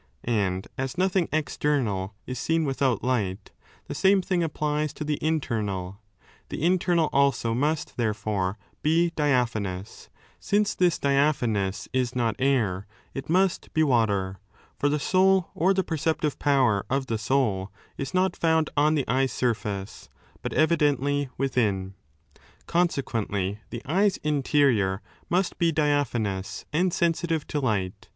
And as nothing external is seen without light, the same thing applies to the internal. The internal also must, therefore, be diaphanous. Since this diaphanous is not air, it must be water. For the soul or the perceptive power of the soul is not found on the eye's surface, but evidently 17 within. Consequently, the eye's interior must be diaphanous and sensitive to light.